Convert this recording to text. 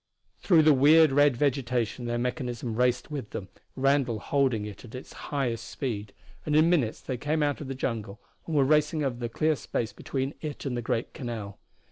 Through the weird red vegetation their mechanism raced with them, Randall holding it at its highest speed, and in minutes they came out of the jungle and were racing over the clear space between it and the great canal.